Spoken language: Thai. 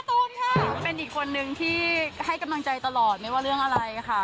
ตูนค่ะเป็นอีกคนนึงที่ให้กำลังใจตลอดไม่ว่าเรื่องอะไรค่ะ